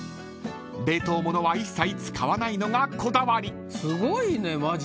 ［冷凍ものは一切使わないのがこだわり］